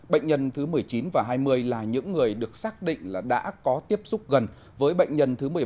bệnh nhân thứ một mươi chín và hai mươi là những người được xác định là đã có tiếp xúc gần với bệnh nhân thứ một mươi bảy